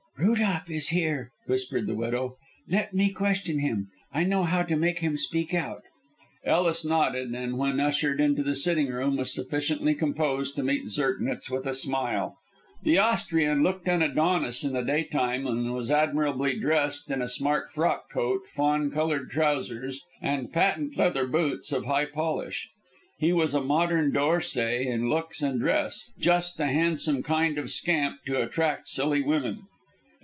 "Rudolph is here," whispered the widow. "Let me question him. I know how to make him speak out." Ellis nodded, and when ushered into the sitting room was sufficiently composed to meet Zirknitz with a smile. The Austrian looked an Adonis in the daytime, and was admirably dressed in a smart frock coat, fawn coloured trousers, and patent leather boots of high polish. He was a modern D'Orsay in looks and dress just the handsome kind of scamp to attract silly women.